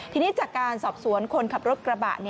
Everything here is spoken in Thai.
ทีนี้จากการสอบสวนคนขับรถกระบะ